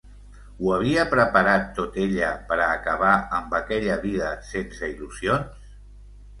Ho havia preparat tot ella per a acabar amb aquella vida sense il·lusions?